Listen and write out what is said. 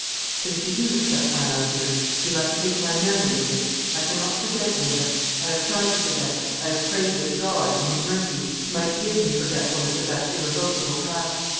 But if you do accept my love, dear, you must take my memory with it. I cannot forget, Linda. I have tried to forget. I have prayed that God, in His mercy, might give me forgetfulness of that irrevocable past.